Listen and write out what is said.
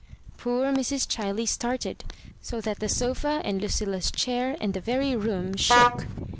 Poor Mrs. ChUey started, so that the sofa and Lucilla's chair and the very room shook.